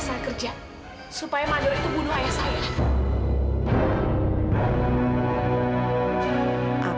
saya salah kerja supaya mandiri itu bunuh ayah saya